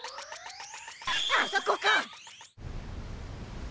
あそこか！